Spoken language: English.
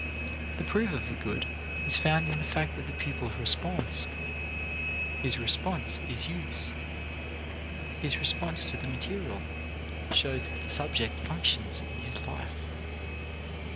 The proof of a good is found in the fact that the pupil responds; his response is use. His response to the material shows that the subject functions in his life.